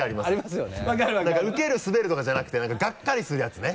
ウケるスベるとかじゃなくて何かがっかりするやつね。